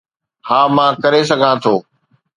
ها، مان ڪري سگهان ٿو.